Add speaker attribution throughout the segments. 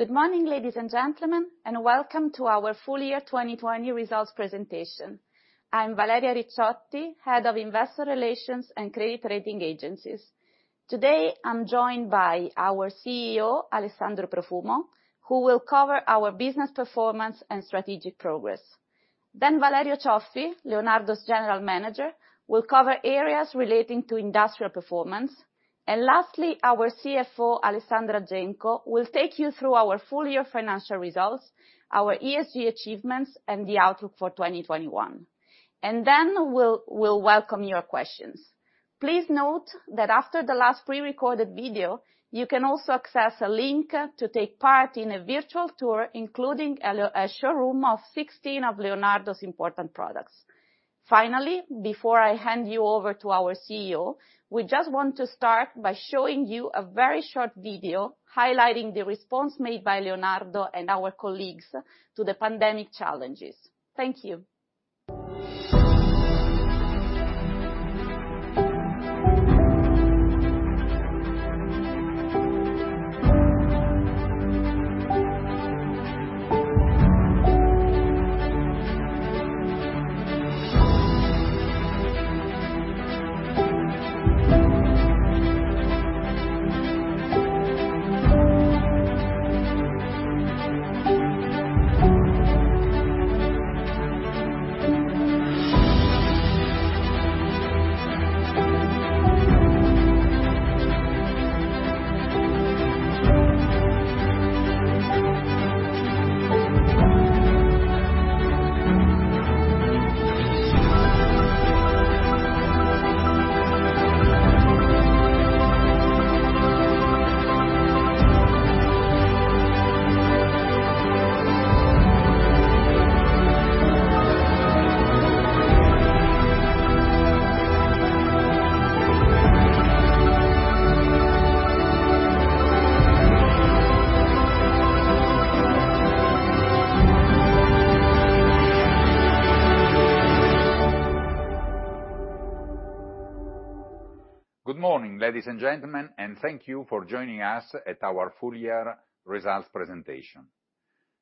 Speaker 1: Good morning, ladies and gentlemen, and welcome to our full year 2020 results presentation. I'm Valeria Ricciotti, Head of Investor Relations and Credit Rating Agencies. Today, I'm joined by our CEO, Alessandro Profumo, who will cover our business performance and strategic progress. Valerio Cioffi, Leonardo's General Manager, will cover areas relating to industrial performance. Lastly, our CFO, Alessandra Genco, will take you through our full year financial results, our ESG achievements, and the outlook for 2021. Then, we'll welcome your questions. Please note that after the last pre-recorded video, you can also access a link to take part in a virtual tour, including a showroom of 16 of Leonardo's important products. Before I hand you over to our CEO, we just want to start by showing you a very short video highlighting the response made by Leonardo and our colleagues to the pandemic challenges. Thank you.
Speaker 2: Good morning, ladies and gentlemen, thank you for joining us at our full year results presentation.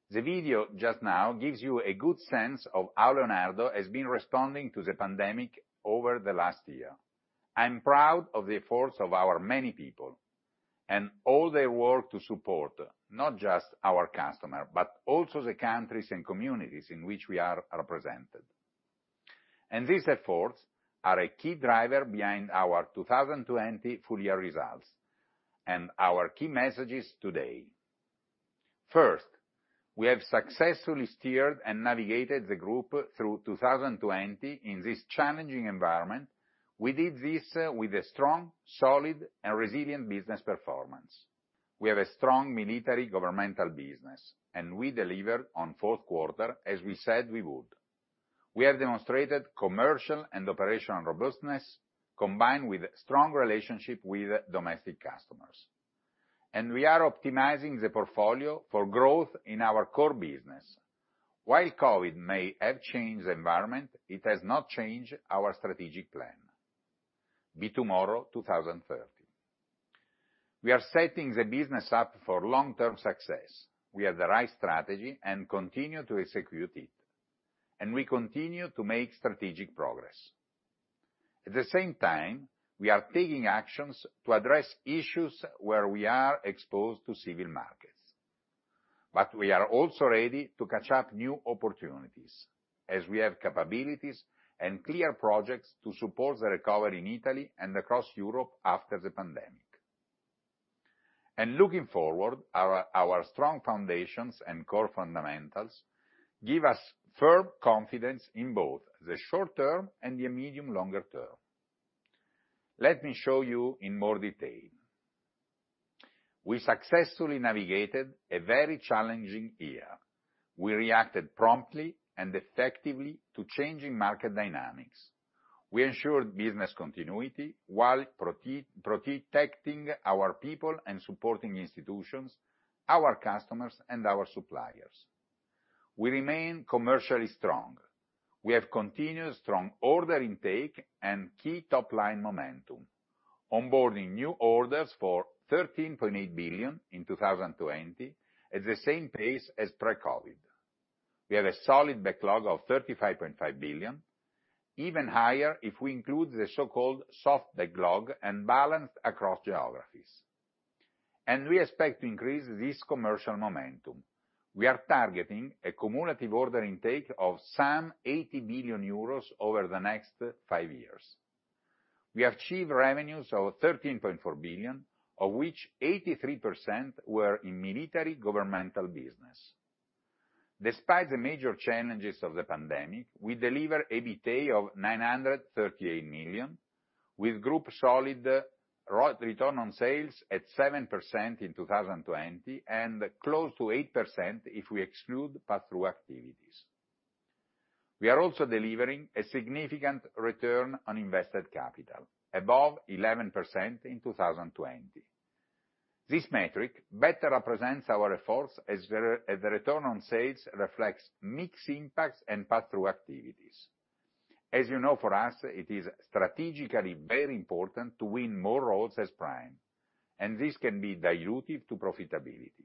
Speaker 2: The video just now gives you a good sense of how Leonardo has been responding to the pandemic over the last year. I'm proud of the efforts of our many people and all their work to support not just our customer, but also the countries and communities in which we are represented. These efforts are a key driver behind our 2020 full year results and our key messages today. First, we have successfully steered and navigated the group through 2020 in this challenging environment. We did this with a strong, solid, and resilient business performance. We have a strong military governmental business, and we delivered on fourth quarter as we said we would. We have demonstrated commercial and operational robustness, combined with strong relationship with domestic customers, and we are optimizing the portfolio for growth in our core business. While COVID may have changed the environment, it has not changed our strategic plan, Be Tomorrow 2030. We are setting the business up for long-term success. We have the right strategy and continue to execute it, and we continue to make strategic progress. At the same time, we are taking actions to address issues where we are exposed to civil markets. We are also ready to catch up new opportunities as we have capabilities and clear projects to support the recovery in Italy and across Europe after the pandemic. Looking forward, our strong foundations and core fundamentals give us firm confidence in both the short-term and the medium/longer term. Let me show you in more detail. We successfully navigated a very challenging year. We reacted promptly and effectively to changing market dynamics. We ensured business continuity while protecting our people and supporting institutions, our customers, and our suppliers. We remain commercially strong. We have continued strong order intake and key top-line momentum, onboarding new orders for 13.8 billion in 2020, at the same pace as pre-COVID. We have a solid backlog of 35.5 billion, even higher if we include the so-called soft backlog and balanced across geographies. We expect to increase this commercial momentum. We are targeting a cumulative order intake of some 80 billion euros over the next five years. We achieved revenues of 13.4 billion, of which 83% were in military governmental business. Despite the major challenges of the pandemic, we deliver EBITA of 938 million, with Group solid return on sales at 7% in 2020 and close to 8% if we exclude pass-through activities. We are also delivering a significant return on invested capital, above 11% in 2020. This metric better represents our efforts as the return on sales reflects mix impacts and pass-through activities. As you know, for us, it is strategically very important to win more roles as prime, this can be dilutive to profitability.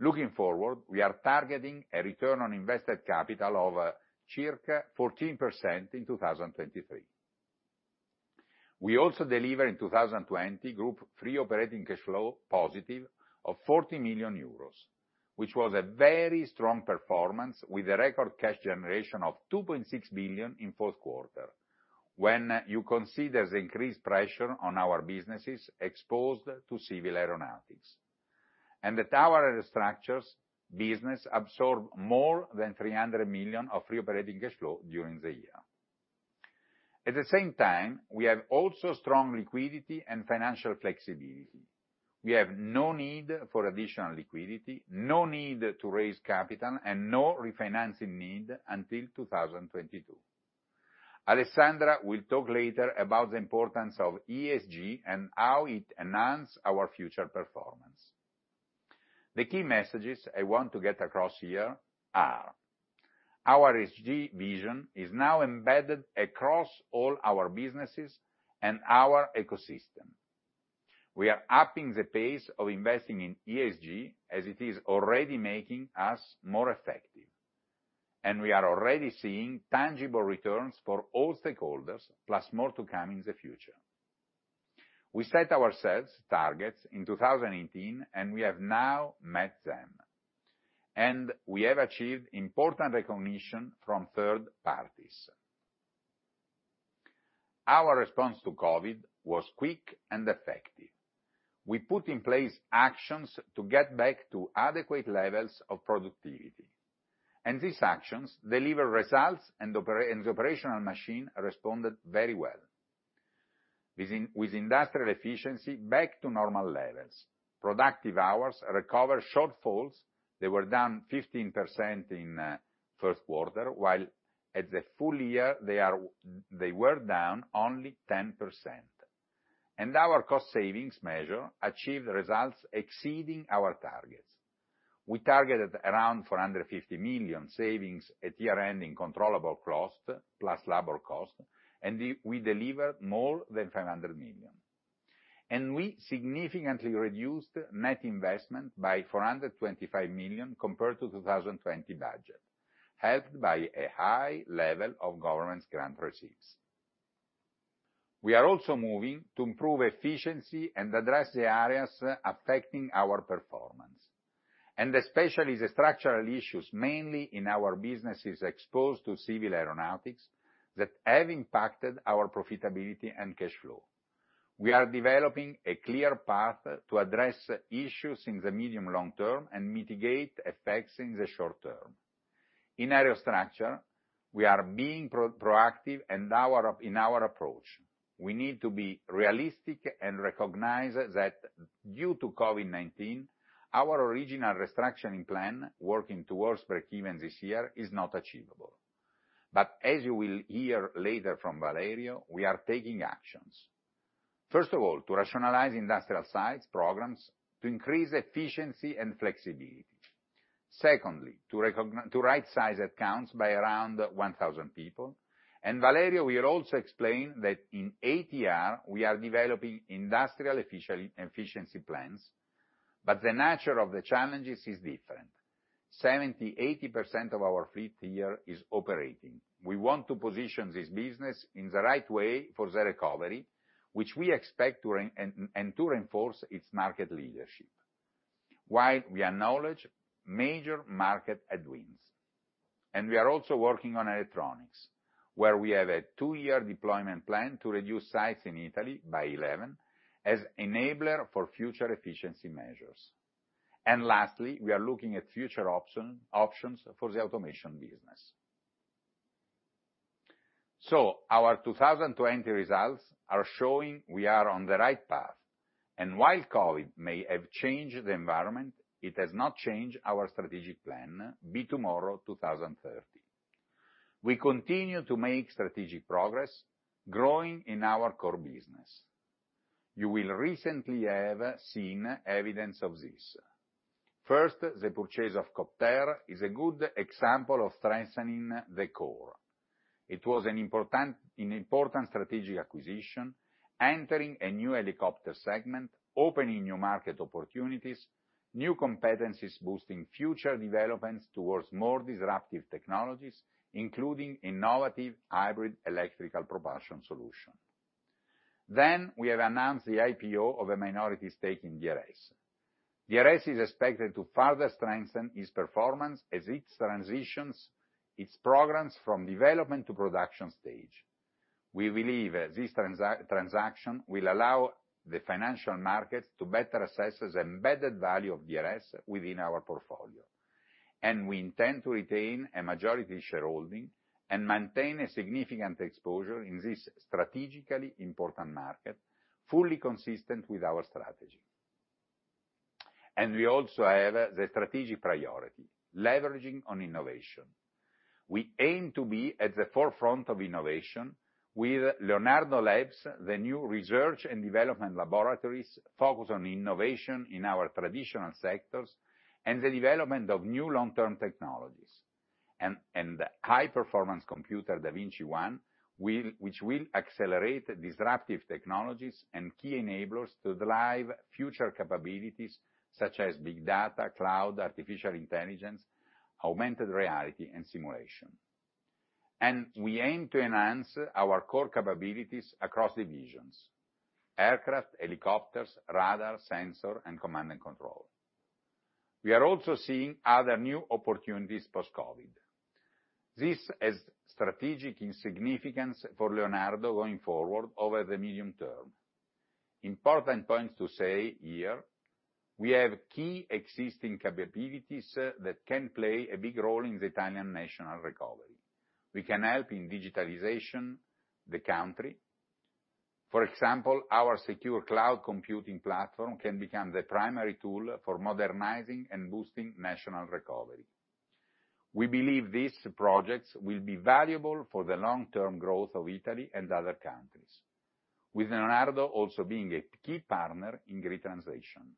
Speaker 2: Looking forward, we are targeting a return on invested capital of circa 14% in 2023. We also deliver in 2020, Group Free Operating Cash Flow positive of 40 million euros, which was a very strong performance with a record cash generation of 2.6 billion in fourth quarter. When you consider the increased pressure on our businesses exposed to civil aeronautics. The Aerostructures business absorbed more than 300 million of Free Operating Cash Flow during the year. At the same time, we have also strong liquidity and financial flexibility. We have no need for additional liquidity, no need to raise capital, and no refinancing need until 2022. Alessandra will talk later about the importance of ESG and how it enhance our future performance. The key messages I want to get across here are, our ESG vision is now embedded across all our businesses and our ecosystem. We are upping the pace of investing in ESG as it is already making us more effective. We are already seeing tangible returns for all stakeholders, plus more to come in the future. We set ourselves targets in 2018, we have now met them, we have achieved important recognition from third parties. Our response to COVID was quick and effective. We put in place actions to get back to adequate levels of productivity, and these actions deliver results and the operational machine responded very well. With industrial efficiency back to normal levels, productive hours recover shortfalls, they were down 15% in first quarter, while at the full year they were down only 10%. Our cost savings measure achieved results exceeding our targets. We targeted around 450 million savings at year-end in controllable cost, plus labor cost, and we delivered more than 500 million. We significantly reduced net investment by 425 million compared to 2020 budget, helped by a high level of government grant purchase. We are also moving to improve efficiency and address the areas affecting our performance, and especially the structural issues, mainly in our businesses exposed to civil aeronautics that have impacted our profitability and cash flow. We are developing a clear path to address issues in the medium long term and mitigate effects in the short term. In Aerostructures, we are being proactive in our approach. We need to be realistic and recognize that due to COVID-19, our original restructuring plan working towards breakeven this year is not achievable. As you will hear later from Valerio, we are taking actions. First of all, to rationalize industrial sites, programs, to increase efficiency and flexibility. Secondly, to right-size headcounts by around 1,000 people. Valerio will also explain that in ATR, we are developing industrial efficiency plans, the nature of the challenges is different. 70%, 80% of our fleet here is operating. We want to position this business in the right way for the recovery, which we expect, and to reinforce its market leadership, while we acknowledge major market headwinds. We are also working on Electronics, where we have a two-year deployment plan to reduce sites in Italy by 11 as enabler for future efficiency measures. Lastly, we are looking at future options for the automation business. Our 2020 results are showing we are on the right path, and while COVID may have changed the environment, it has not changed our strategic plan, Be Tomorrow 2030. We continue to make strategic progress growing in our core business. You will recently have seen evidence of this. First, the purchase of Kopter is a good example of strengthening the core. It was an important strategic acquisition, entering a new helicopter segment, opening new market opportunities, new competencies, boosting future developments towards more disruptive technologies, including innovative hybrid electrical propulsion solution. We have announced the IPO of a minority stake in DRS. DRS is expected to further strengthen its performance as it transitions its programs from development to production stage. We believe this transaction will allow the financial markets to better assess the embedded value of DRS within our portfolio, and we intend to retain a majority shareholding and maintain a significant exposure in this strategically important market, fully consistent with our strategy. We also have the strategic priority, leveraging on innovation. We aim to be at the forefront of innovation with Leonardo Labs, the new research and development laboratories focused on innovation in our traditional sectors and the development of new long-term technologies. The high performance computer, davinci-1, which will accelerate disruptive technologies and key enablers to drive future capabilities such as big data, cloud, artificial intelligence, augmented reality, and simulation. We aim to enhance our core capabilities across divisions, aircraft, helicopters, radar, sensor, and command and control. We are also seeing other new opportunities post-COVID. This has strategic significance for Leonardo going forward over the medium term. Important points to say here, we have key existing capabilities that can play a big role in the Italian national recovery. We can help in digitalization the country. For example, our secure cloud computing platform can become the primary tool for modernizing and boosting national recovery. We believe these projects will be valuable for the long-term growth of Italy and other countries, with Leonardo also being a key partner in great translation.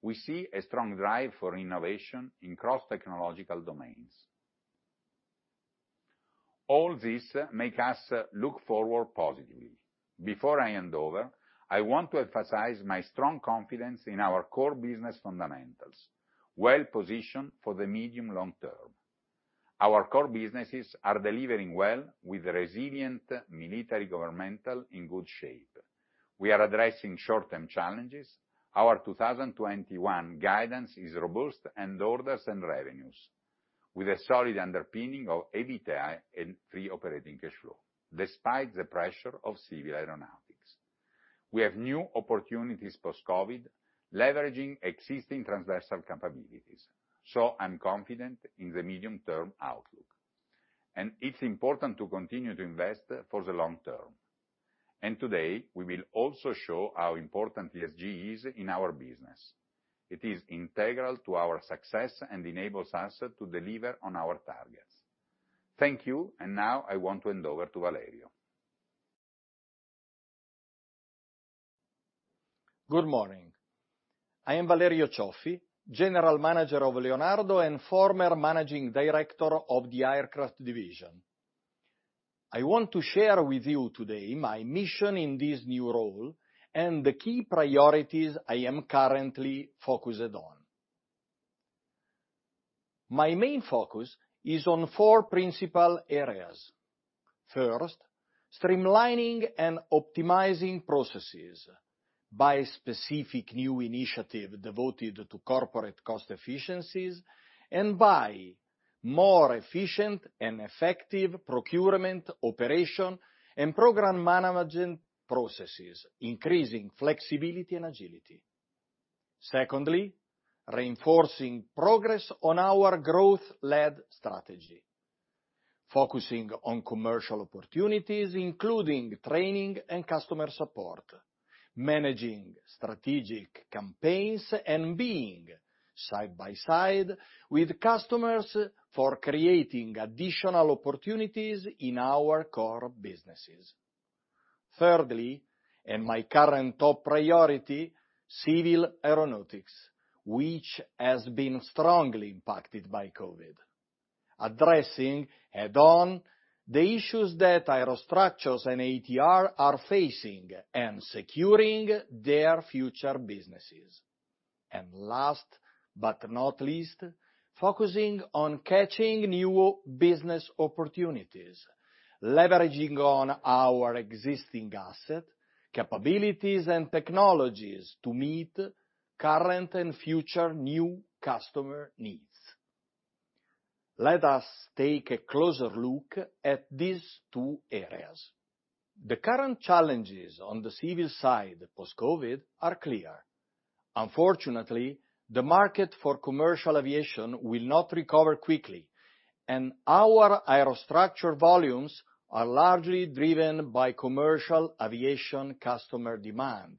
Speaker 2: We see a strong drive for innovation in cross-technological domains. All this make us look forward positively. Before I hand over, I want to emphasize my strong confidence in our core business fundamentals, well-positioned for the medium long term. Our core businesses are delivering well with resilient military governmental in good shape. We are addressing short-term challenges. Our 2021 guidance is robust and orders and revenues, with a solid underpinning of EBITDA and Free Operating Cash Flow, despite the pressure of civil aeronautics. We have new opportunities post-COVID, leveraging existing transversal capabilities. I'm confident in the medium-term outlook, and it's important to continue to invest for the long term. Today, we will also show how important ESG is in our business. It is integral to our success and enables us to deliver on our targets. Thank you. Now I want to hand over to Valerio.
Speaker 3: Good morning. I am Valerio Cioffi, General Manager of Leonardo and former managing director of the Aircraft Division. I want to share with you today my mission in this new role and the key priorities I am currently focused on. My main focus is on four principal areas. First, streamlining and optimizing processes by specific new initiative devoted to corporate cost efficiencies and by more efficient and effective procurement operation and program management processes, increasing flexibility and agility. Secondly, reinforcing progress on our growth-led strategy, focusing on commercial opportunities, including training and customer support, managing strategic campaigns, and being side by side with customers for creating additional opportunities in our core businesses. Thirdly, my current top priority, civil aeronautics, which has been strongly impacted by COVID-19. Addressing head on the issues that Aerostructures and ATR are facing and securing their future businesses. Last but not least, focusing on catching new business opportunities, leveraging on our existing asset, capabilities, and technologies to meet current and future new customer needs. Let us take a closer look at these two areas. The current challenges on the civil side post-COVID are clear. Unfortunately, the market for commercial aviation will not recover quickly. Our Aerostructures volumes are largely driven by commercial aviation customer demand.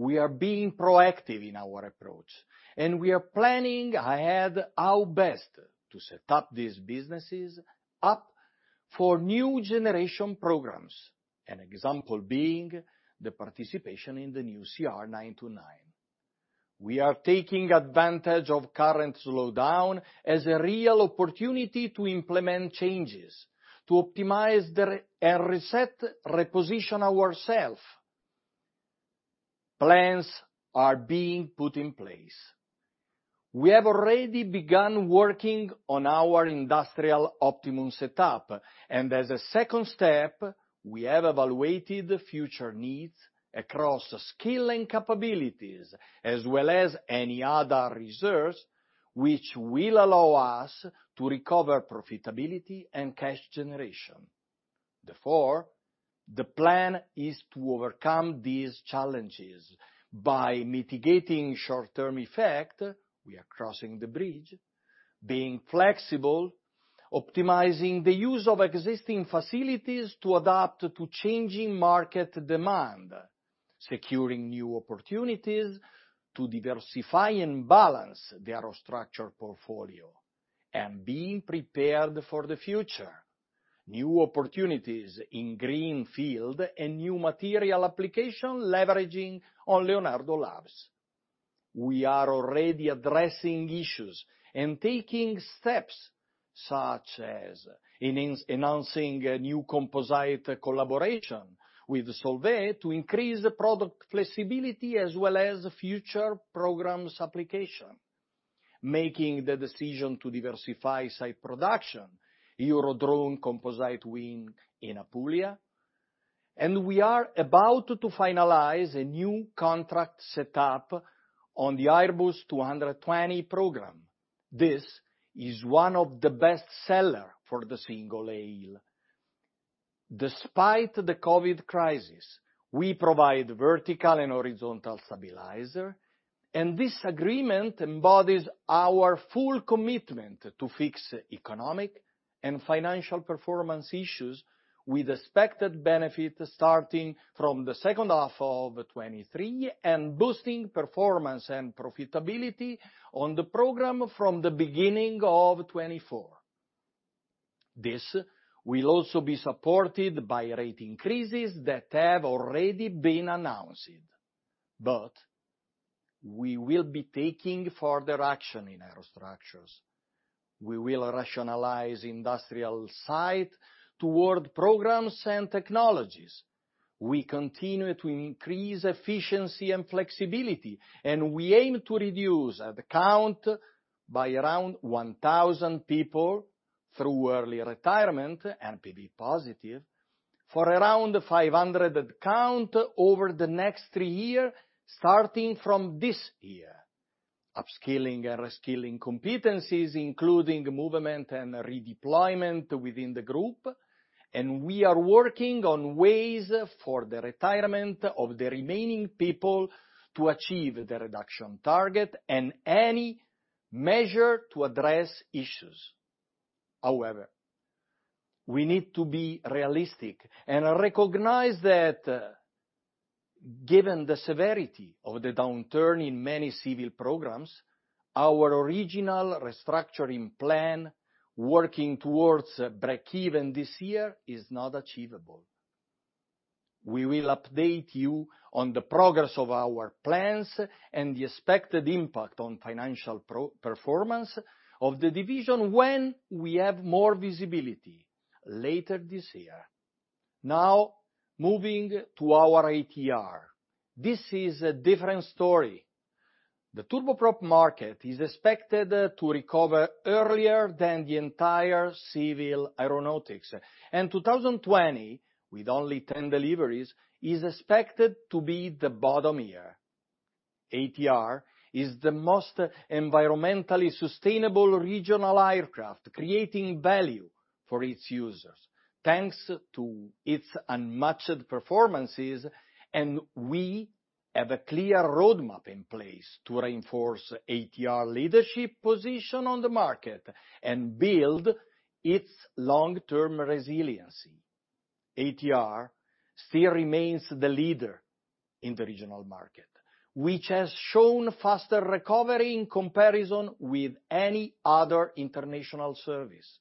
Speaker 3: We are being proactive in our approach, and we are planning ahead how best to set up these businesses up for new generation programs, an example being the participation in the new CR929. We are taking advantage of current slowdown as a real opportunity to implement changes, to optimize and reset, reposition ourself. Plans are being put in place. We have already begun working on our industrial optimum setup, and as a second step, we have evaluated future needs across skill and capabilities, as well as any other reserves which will allow us to recover profitability and cash generation. Therefore, the plan is to overcome these challenges by mitigating short-term effect, we are crossing the bridge, being flexible, optimizing the use of existing facilities to adapt to changing market demand, securing new opportunities to diversify and balance the Aerostructures portfolio, and being prepared for the future, new opportunities in greenfield and new material application leveraging on Leonardo Labs. We are already addressing issues and taking steps such as announcing a new composite collaboration with Solvay to increase the product flexibility as well as future programs application, making the decision to diversify site production, Eurodrone composite wing in Apulia, and we are about to finalize a new contract set up on the Airbus A220 program. This is one of the best-seller for the single aisle. Despite the COVID crisis, we provide vertical and horizontal stabilizer, and this agreement embodies our full commitment to fix economic and financial performance issues with expected benefit starting from the second half of 2023 and boosting performance and profitability on the program from the beginning of 2024. This will also be supported by rate increases that have already been announced, but we will be taking further action in Aerostructures. We will rationalize industrial site toward programs and technologies. We continue to increase efficiency and flexibility. We aim to reduce headcount by around 1,000 people through early retirement, NPV positive, for around 500 headcount over the next three year, starting from this year. Upskilling and reskilling competencies, including movement and redeployment within the group. We are working on ways for the retirement of the remaining people to achieve the reduction target and any measure to address issues. However, we need to be realistic and recognize that given the severity of the downturn in many civil programs, our original restructuring plan, working towards breakeven this year, is not achievable. We will update you on the progress of our plans and the expected impact on financial performance of the division when we have more visibility later this year. Now, moving to our ATR. This is a different story. The turboprop market is expected to recover earlier than the entire civil aeronautics, and 2020, with only 10 deliveries, is expected to be the bottom year. ATR is the most environmentally sustainable regional aircraft, creating value for its users, thanks to its unmatched performances, and we have a clear roadmap in place to reinforce ATR leadership position on the market and build its long-term resiliency. ATR still remains the leader in the regional market, which has shown faster recovery in comparison with any other international service.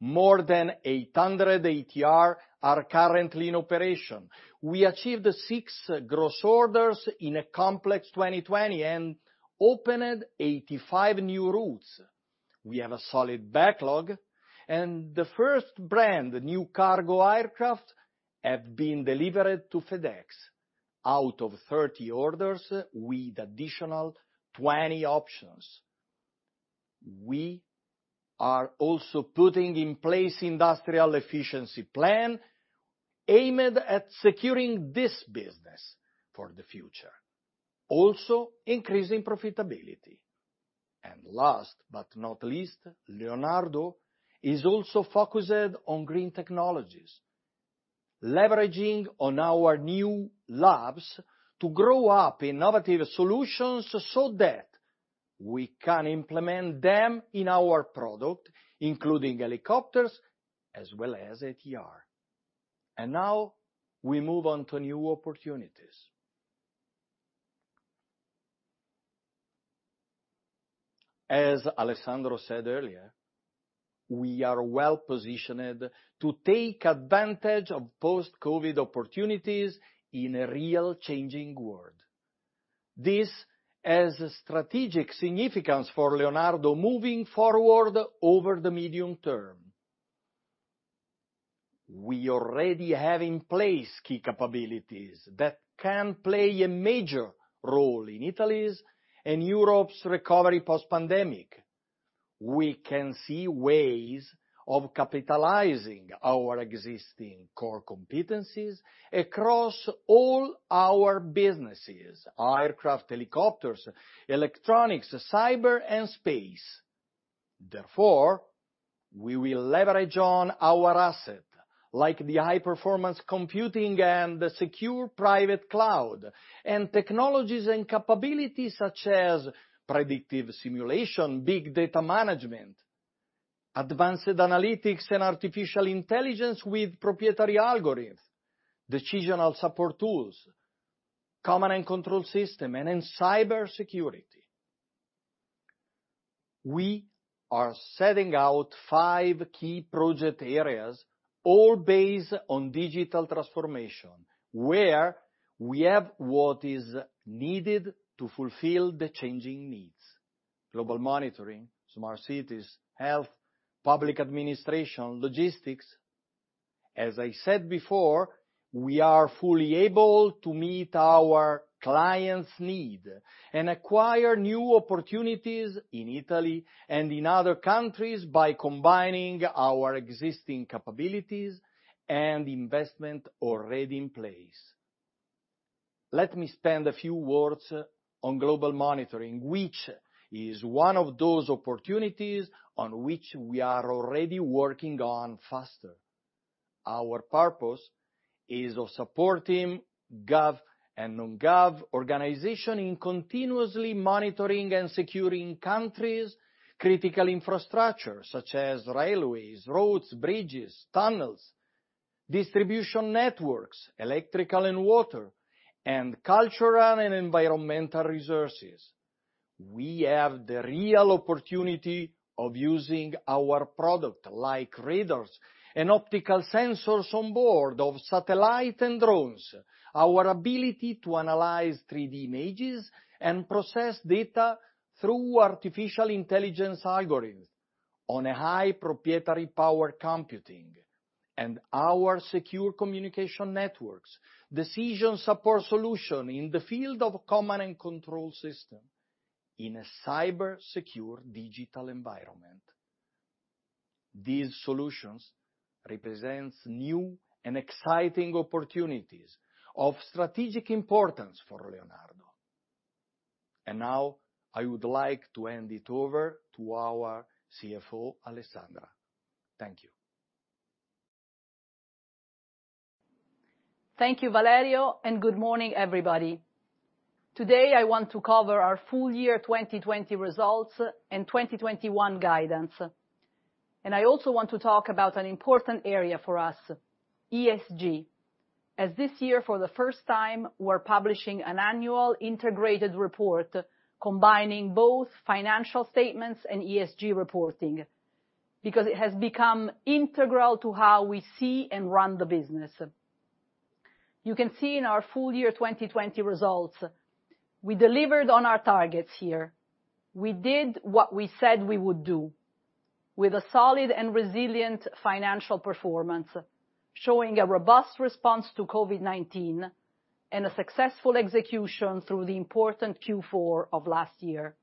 Speaker 3: More than 800 ATR are currently in operation. We achieved six gross orders in a complex 2020 and opened 85 new routes. We have a solid backlog and the first brand-new cargo aircraft have been delivered to FedEx, out of 30 orders with additional 20 options. We are also putting in place industrial efficiency plan aimed at securing this business for the future, also increasing profitability. Leonardo is also focused on green technologies, leveraging on our new labs to grow up innovative solutions so that we can implement them in our product, including helicopters as well as ATR. Now we move on to new opportunities. As Alessandro said earlier, we are well-positioned to take advantage of post-COVID opportunities in a real changing world. This has strategic significance for Leonardo moving forward over the medium-term. We already have in place key capabilities that can play a major role in Italy's and Europe's recovery post-pandemic. We can see ways of capitalizing our existing core competencies across all our businesses, aircraft, helicopters, electronics, cyber, and space. Therefore, we will leverage on our asset, like the high-performance computing and the secure private cloud and technologies and capabilities such as predictive simulation, big data management, advanced analytics and artificial intelligence with proprietary algorithms, decisional support tools, command and control system, and cybersecurity. We are setting out five key project areas, all based on digital transformation, where we have what is needed to fulfill the changing needs. Global monitoring, smart cities, health, public administration, logistics. As I said before, we are fully able to meet our clients' need and acquire new opportunities in Italy and in other countries by combining our existing capabilities and investment already in place. Let me spend a few words on global monitoring, which is one of those opportunities on which we are already working on faster. Our purpose is of supporting gov and non-gov organization in continuously monitoring and securing countries' critical infrastructure, such as railways, roads, bridges, tunnels, distribution networks, electrical and water, and cultural and environmental resources. We have the real opportunity of using our product, like radars and optical sensors on board of satellite and drones, our ability to analyze 3D images and process data through artificial intelligence algorithms on a high proprietary power computing, and our secure communication networks, decision support solution in the field of command and control system in a cyber secure digital environment. These solutions represents new and exciting opportunities of strategic importance for Leonardo. Now, I would like to hand it over to our CFO, Alessandra. Thank you.
Speaker 4: Thank you, Valerio. Good morning, everybody. Today, I want to cover our full year 2020 results and 2021 guidance. I also want to talk about an important area for us, ESG, as this year, for the first time, we're publishing an annual integrated report combining both financial statements and ESG reporting, because it has become integral to how we see and run the business. You can see in our full year 2020 results, we delivered on our targets here. We did what we said we would do with a solid and resilient financial performance, showing a robust response to COVID-19 and a successful execution through the important Q4 of last year.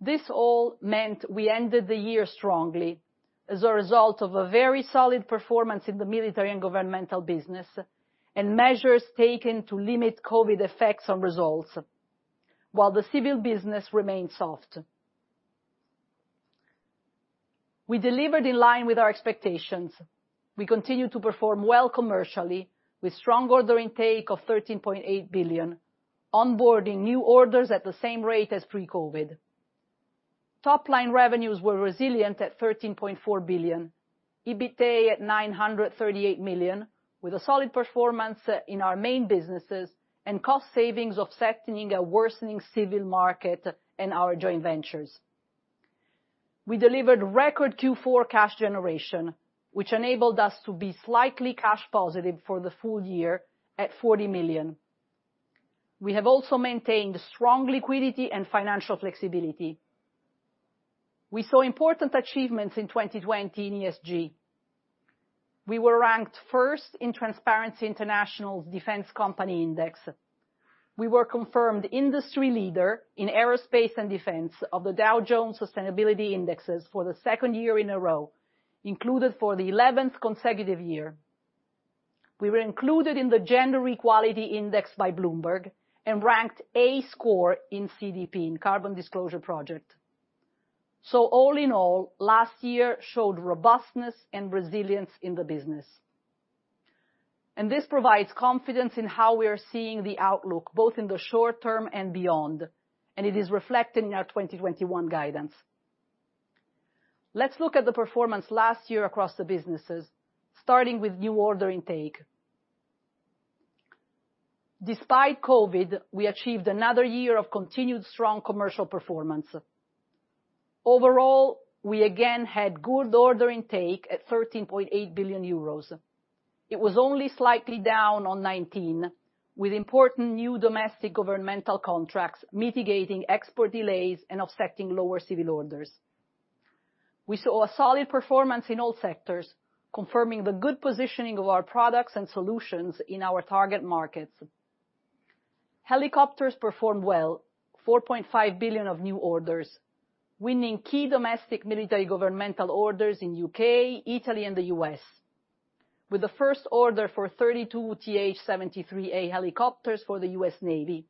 Speaker 4: This all meant we ended the year strongly as a result of a very solid performance in the military and governmental business and measures taken to limit COVID effects on results, while the civil business remained soft. We delivered in line with our expectations. We continue to perform well commercially with strong order intake of 13.8 billion, onboarding new orders at the same rate as pre-COVID. Top line revenues were resilient at 13.4 billion, EBITA at 938 million, with a solid performance in our main businesses and cost savings offsetting a worsening civil market in our joint ventures. We delivered record Q4 cash generation, which enabled us to be slightly cash positive for the full year at 40 million. We have also maintained strong liquidity and financial flexibility. We saw important achievements in 2020 in ESG. We were ranked first in Transparency International's Defense Company Index. We were confirmed industry leader in aerospace and defense of the Dow Jones Sustainability Indices for the second year in a row, included for the 11th consecutive year. We were included in the Bloomberg Gender-Equality Index by Bloomberg and ranked A score in CDP, in Carbon Disclosure Project. All in all, last year showed robustness and resilience in the business. This provides confidence in how we are seeing the outlook, both in the short term and beyond, and it is reflected in our 2021 guidance. Let's look at the performance last year across the businesses, starting with new order intake. Despite COVID, we achieved another year of continued strong commercial performance. Overall, we again had good order intake at 13.8 billion euros. It was only slightly down on 2019, with important new domestic governmental contracts mitigating export delays and offsetting lower civil orders. We saw a solid performance in all sectors, confirming the good positioning of our products and solutions in our target markets. Helicopters performed well, 4.5 billion of new orders, winning key domestic military governmental orders in the U.K., Italy, and the U.S., with the first order for 32 TH-73A helicopters for the U.S. Navy.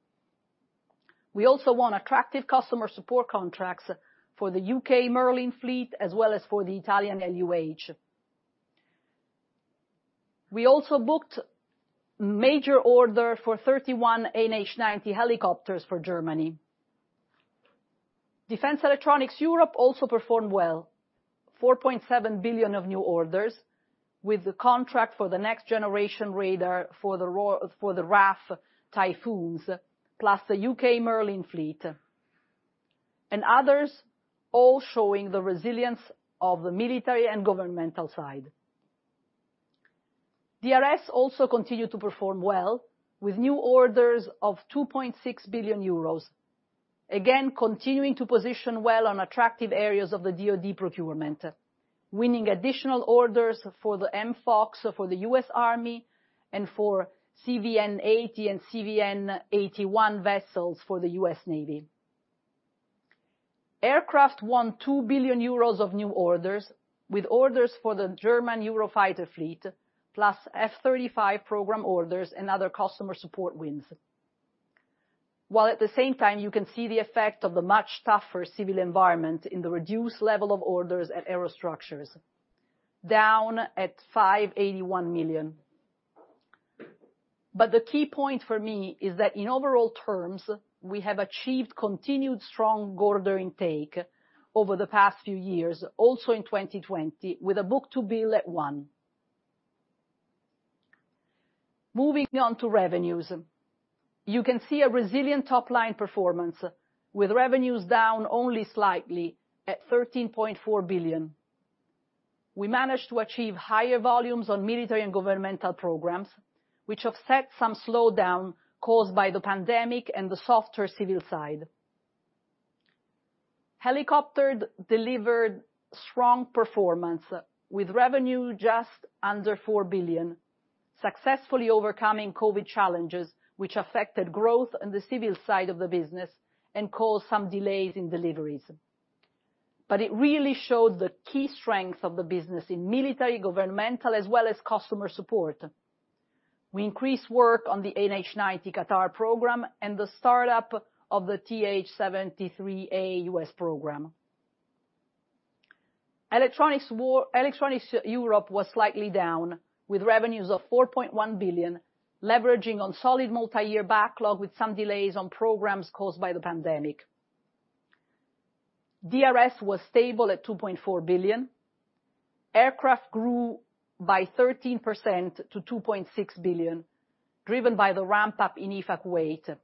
Speaker 4: We also won attractive customer support contracts for the U.K. Merlin fleet as well as for the Italian LUH. We also booked major order for 31 NH90 helicopters for Germany. Defense Electronics Europe also performed well. 4.7 billion of new orders with the contract for the next generation radar for the RAF Typhoons, plus the U.K. Merlin fleet, and others all showing the resilience of the military and governmental side. DRS also continued to perform well, with new orders of 2.6 billion euros. Continuing to position well on attractive areas of the DoD procurement, winning additional orders for the MFoCS for the U.S. Army and for CVN 80 and CVN 81 vessels for the U.S. Navy. Aircraft won 2 billion euros of new orders, with orders for the German Eurofighter fleet, plus F-35 program orders and other customer support wins. At the same time, you can see the effect of the much tougher civil environment in the reduced level of orders at Aerostructures, down at 581 million. The key point for me is that in overall terms, we have achieved continued strong order intake over the past few years, also in 2020, with a book-to-bill at one. Moving on to revenues. You can see a resilient top-line performance, with revenues down only slightly at 13.4 billion. We managed to achieve higher volumes on military and governmental programs, which offset some slowdown caused by the pandemic and the softer civil side. Helicopter delivered strong performance, with revenue just under 4 billion, successfully overcoming COVID challenges, which affected growth on the civil side of the business and caused some delays in deliveries. It really showed the key strength of the business in military, governmental, as well as customer support. We increased work on the NH90 Qatar program and the startup of the TH-73A U.S. program. Electronics Europe was slightly down, with revenues of 4.1 billion, leveraging on solid multi-year backlog, with some delays on programs caused by the pandemic. DRS was stable at 2.4 billion. Aircraft grew by 13% to 2.6 billion, driven by the ramp-up in EFA Kuwait.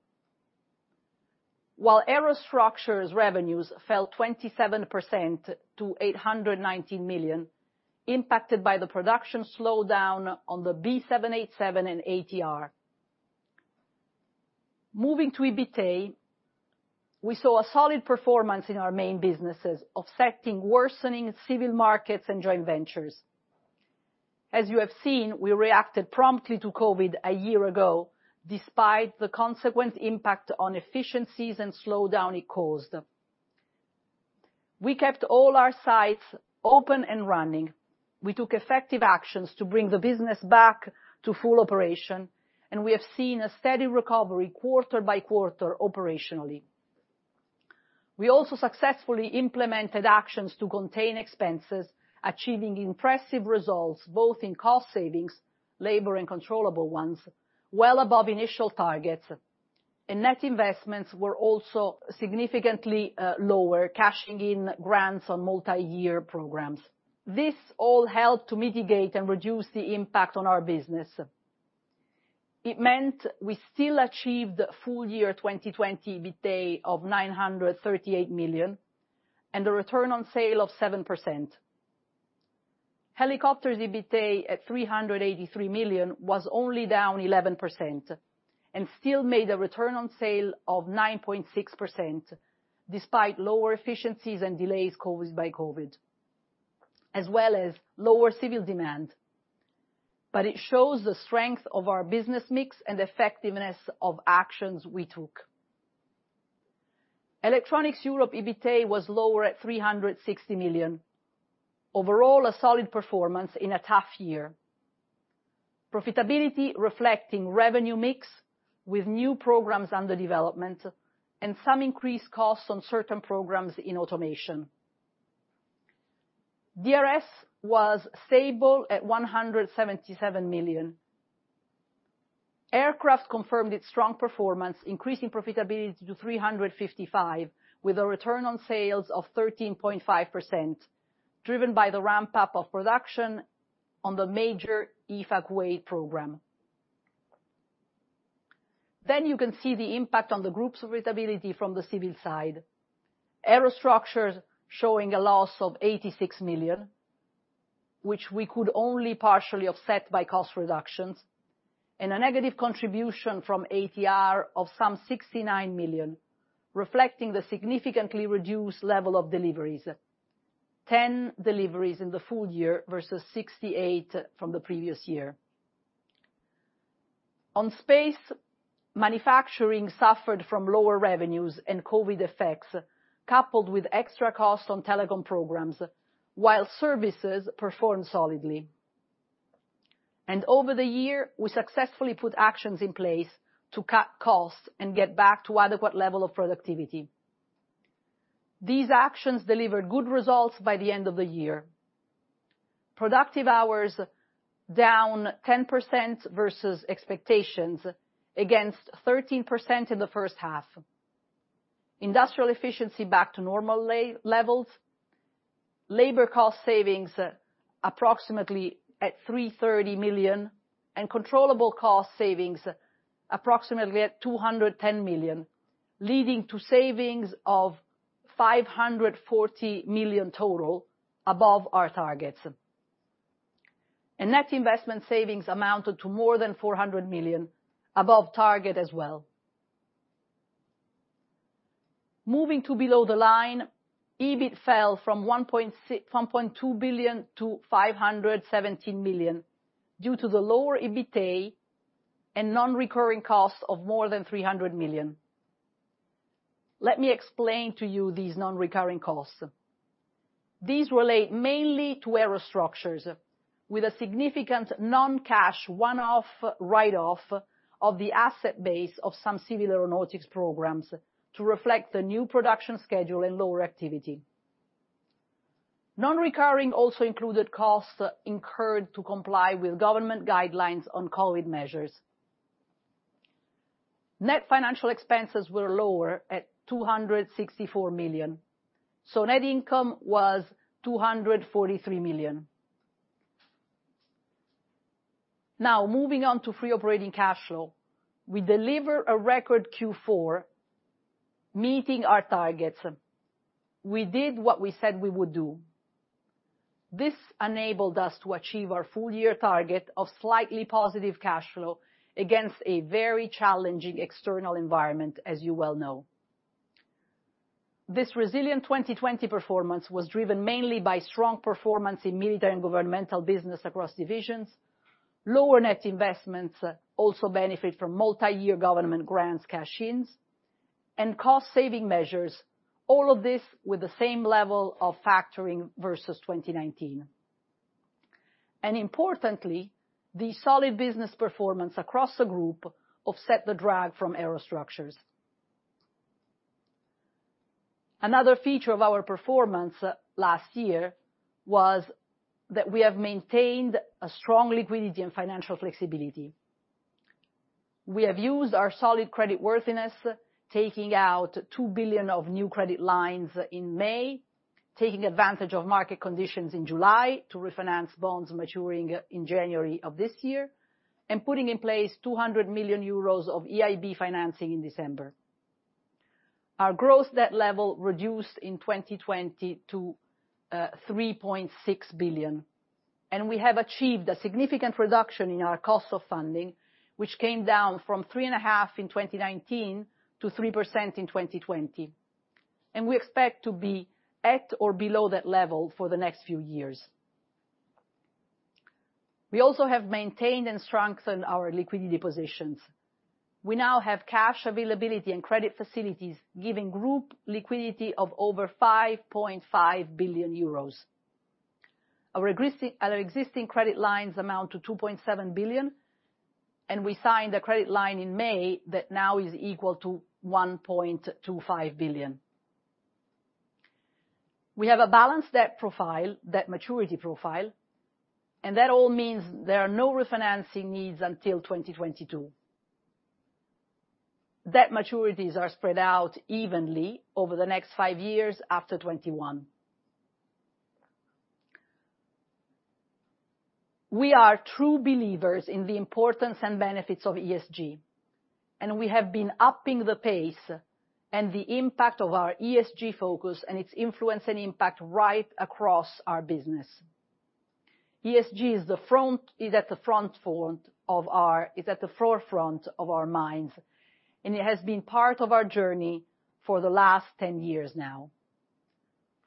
Speaker 4: While Aerostructures' revenues fell 27% to 819 million, impacted by the production slowdown on the B787 and ATR. Moving to EBITA, we saw a solid performance in our main businesses, offsetting worsening civil markets and joint ventures. As you have seen, we reacted promptly to COVID a year ago, despite the consequent impact on efficiencies and slowdown it caused. We kept all our sites open and running. We took effective actions to bring the business back to full operation, we have seen a steady recovery quarter by quarter operationally. We also successfully implemented actions to contain expenses, achieving impressive results, both in cost savings, labor, and controllable ones, well above initial targets. Net investments were also significantly lower, cashing in grants on multi-year programs. This all helped to mitigate and reduce the impact on our business. It meant we still achieved full year 2020 EBITA of 938 million and a return on sales of 7%. Helicopters' EBITA at 383 million was only down 11% and still made a return on sales of 9.6%, despite lower efficiencies and delays caused by COVID, as well as lower civil demand. It shows the strength of our business mix and effectiveness of actions we took. Electronics Europe EBITA was lower at 360 million. A solid performance in a tough year. Profitability reflecting revenue mix with new programs under development and some increased costs on certain programs in automation. DRS was stable at 177 million. Aircraft confirmed its strong performance, increasing profitability to 355 million, with a return on sales of 13.5%, driven by the ramp-up of production on the major EFA Kuwait program. You can see the impact on the group's profitability from the civil side. Aerostructures showing a loss of 86 million, which we could only partially offset by cost reductions, and a negative contribution from ATR of some 69 million, reflecting the significantly reduced level of deliveries. 10 deliveries in the full year versus 68 from the previous year. On space, manufacturing suffered from lower revenues and COVID-19 effects, coupled with extra costs on telecom programs, while services performed solidly. Over the year, we successfully put actions in place to cut costs and get back to adequate level of productivity. These actions delivered good results by the end of the year. Productive hours down 10% versus expectations against 13% in the first half. Industrial efficiency back to normal levels. Labor cost savings approximately at 330 million, and controllable cost savings approximately at 210 million, leading to savings of 540 million total above our targets. Net investment savings amounted to more than 400 million, above target as well. Moving to below the line, EBIT fell from 1.2 billion-517 million due to the lower EBITA and non-recurring costs of more than 300 million. Let me explain to you these non-recurring costs. These relate mainly to Aerostructures, with a significant non-cash, one-off write-off of the asset base of some civil aeronautics programs to reflect the new production schedule and lower activity. Non-recurring also included costs incurred to comply with government guidelines on COVID measures. Net financial expenses were lower at 264 million. Net income was 243 million. Now, moving on to Free Operating Cash Flow. We deliver a record Q4, meeting our targets. We did what we said we would do. This enabled us to achieve our full year target of slightly positive cash flow against a very challenging external environment, as you well know. This resilient 2020 performance was driven mainly by strong performance in military and governmental business across divisions, lower net investments also benefit from multi-year government grants cash-ins, and cost saving measures, all of this with the same level of factoring versus 2019. Importantly, the solid business performance across the group offset the drag from Aerostructures. Another feature of our performance last year was that we have maintained a strong liquidity and financial flexibility. We have used our solid credit worthiness, taking out 2 billion of new credit lines in May, taking advantage of market conditions in July to refinance bonds maturing in January of this year, and putting in place 200 million euros of EIB financing in December. Our gross debt level reduced in 2020 to 3.6 billion. We have achieved a significant reduction in our cost of funding, which came down from 3.5% in 2019 to 3% in 2020. We expect to be at or below that level for the next few years. We also have maintained and strengthened our liquidity positions. We now have cash availability and credit facilities giving group liquidity of over 5.5 billion euros. Our existing credit lines amount to 2.7 billion, and we signed a credit line in May that now is equal to 1.25 billion. We have a balanced debt maturity profile, and that all means there are no refinancing needs until 2022. Debt maturities are spread out evenly over the next five years after 2021. We are true believers in the importance and benefits of ESG. We have been upping the pace and the impact of our ESG focus and its influence and impact right across our business. ESG is at the forefront of our minds. It has been part of our journey for the last 10 years now.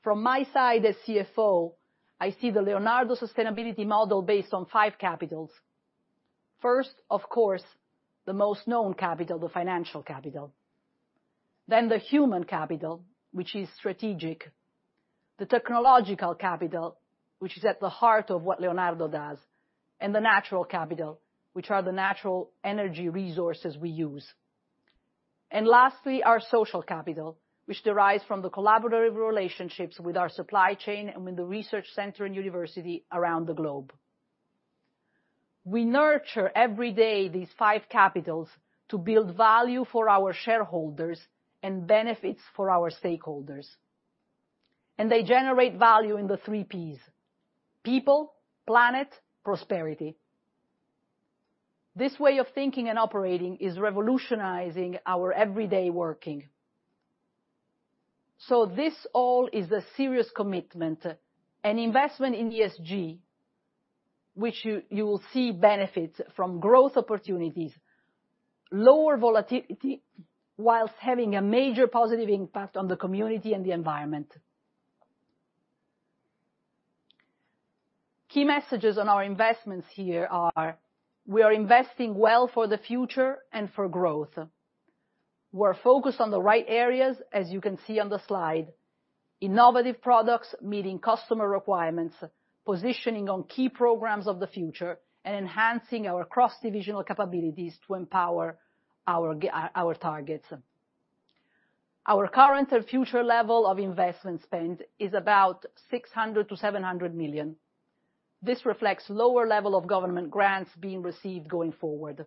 Speaker 4: From my side as CFO, I see the Leonardo sustainability model based on five capitals. First, of course, the most known capital, the financial capital, then the human capital, which is strategic, the technological capital, which is at the heart of what Leonardo does. The natural capital, which are the natural energy resources we use. Lastly, our social capital, which derives from the collaborative relationships with our supply chain and with the research center and university around the globe. We nurture every day these five capitals to build value for our shareholders and benefits for our stakeholders. They generate value in the three Ps, people, planet, prosperity. This way of thinking and operating is revolutionizing our everyday working. This all is a serious commitment and investment in ESG, which you will see benefits from growth opportunities, lower volatility, while having a major positive impact on the community and the environment. Key messages on our investments here are we are investing well for the future and for growth. We're focused on the right areas, as you can see on the slide, innovative products meeting customer requirements, positioning on key programs of the future, and enhancing our cross-divisional capabilities to empower our targets. Our current and future level of investment spend is about 600 million-700 million. This reflects lower level of government grants being received going forward.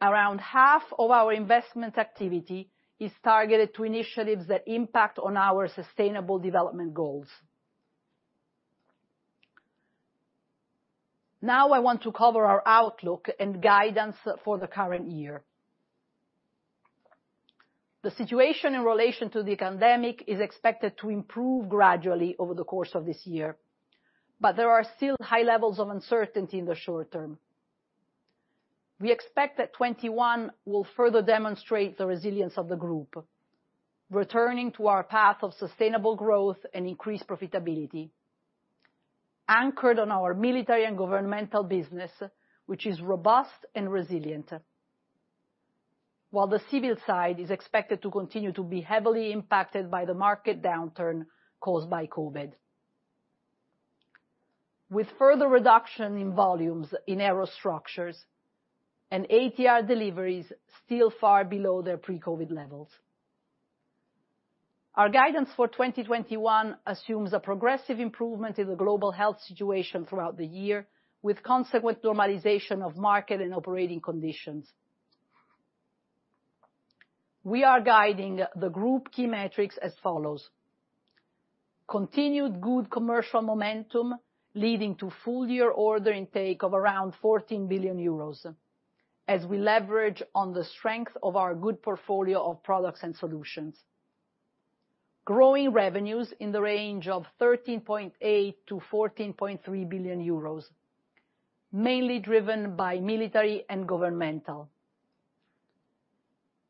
Speaker 4: Around half of our investment activity is targeted to initiatives that impact on our sustainable development goals. I want to cover our outlook and guidance for the current year. The situation in relation to the pandemic is expected to improve gradually over the course of this year, but there are still high levels of uncertainty in the short term. We expect that 2021 will further demonstrate the resilience of the group, returning to our path of sustainable growth and increased profitability, anchored on our military and governmental business, which is robust and resilient. The civil side is expected to continue to be heavily impacted by the market downturn caused by COVID, with further reduction in volumes in Aerostructures and ATR deliveries still far below their pre-COVID levels. Our guidance for 2021 assumes a progressive improvement in the global health situation throughout the year, with consequent normalization of market and operating conditions. We are guiding the group key metrics as follows. Continued good commercial momentum, leading to full year order intake of around 14 billion euros, as we leverage on the strength of our good portfolio of products and solutions. Growing revenues in the range of 13.8 billion-14.3 billion euros, mainly driven by military and governmental.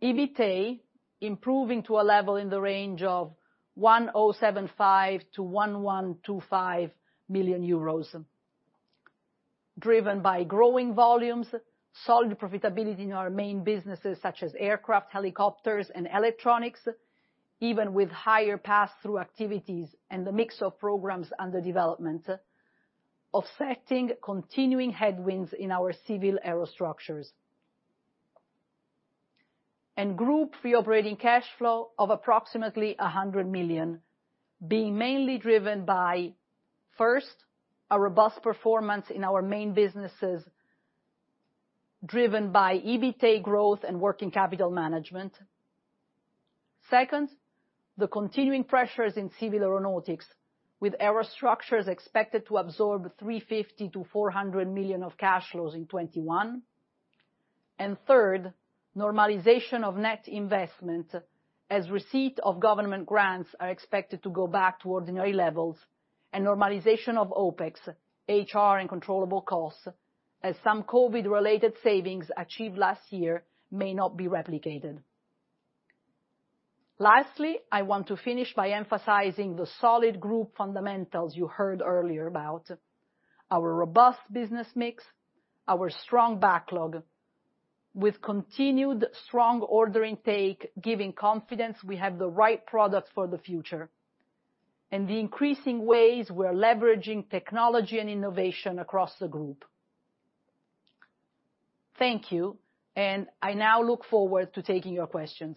Speaker 4: EBITA improving to a level in the range of 1.075 billion-1.125 billion euros, driven by growing volumes, solid profitability in our main businesses such as aircraft, helicopters, and Electronics, even with higher pass-through activities and the mix of programs under development, offsetting continuing headwinds in our civil Aerostructures. Group Free Operating Cash Flow of approximately 100 million, being mainly driven by, first, a robust performance in our main businesses, driven by EBITA growth and working capital management. Second, the continuing pressures in civil aeronautics, with Aerostructures expected to absorb 350 million-400 million of cash flows in 2021. Third, normalization of net investment as receipt of government grants are expected to go back to ordinary levels, and normalization of OpEx, HR, and controllable costs, as some COVID-related savings achieved last year may not be replicated. Lastly, I want to finish by emphasizing the solid group fundamentals you heard earlier about. Our robust business mix, our strong backlog, with continued strong order intake giving confidence we have the right product for the future. The increasing ways we're leveraging technology and innovation across the group. Thank you, and I now look forward to taking your questions.